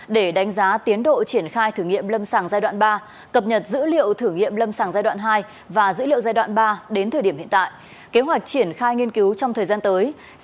để đánh giá tiến độ triển khai thử nghiệm lâm sàng giai đoạn ba cập nhật dữ liệu thử nghiệm lâm sàng giai đoạn hai và dữ liệu giai đoạn ba đến thời điểm hiện tại